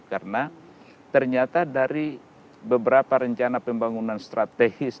karena ternyata dari beberapa rencana pembangunan strategis